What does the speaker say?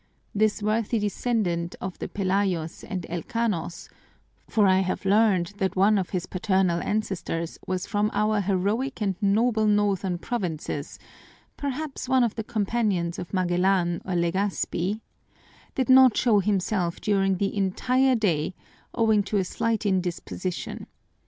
This worthy descendant of the Pelayos and Elcanos (for I have learned that one of his paternal ancestors was from our heroic and noble northern provinces, perhaps one of the companions of Magellan or Legazpi) did not show himself during the entire day, owing to a slight indisposition.